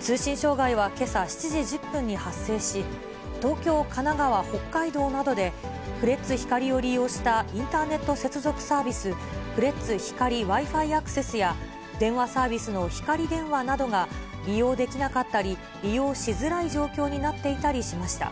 通信障害は、けさ７時１０分に発生し、東京、神奈川、北海道などで、フレッツ光を利用したインターネット接続サービス、フレッツ光ＷｉＦｉアクセスや、電話サービスの光電話などが利用できなかったり、利用しづらい状況になっていたりしました。